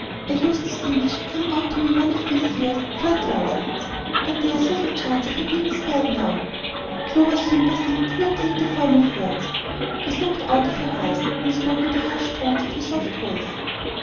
I used to think she'd come out to me one of these years for a twelvemonth; but there's little chance of her being spared now." Clover's sympathy did not take the form of words. It looked out of her eyes, and spoke in the hushed tones of her soft voice.